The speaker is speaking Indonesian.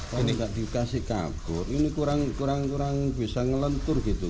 kalau ini nggak dikasih kabur ini kurang kurang bisa ngelentur gitu